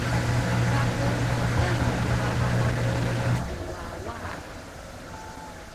pakungkuen nu babalaki ku wawa.